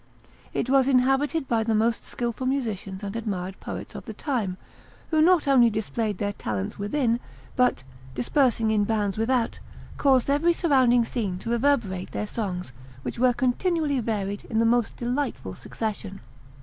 It was inhabited by the most skilful musicians and admired poets of the time, who not only displayed their talents within, but, dispersing in bands without, caused every surrounding scene to reverberate their songs, which were continually varied in the most delightful succession.